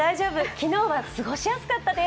昨日は過ごしやすかったです。